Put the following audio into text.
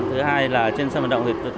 thứ hai là trên sân vận động